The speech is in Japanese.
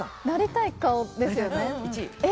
なりたい顔ですよね。